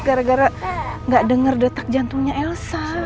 gara gara gak denger detak jantungnya elsa